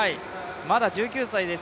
まだ１９歳です。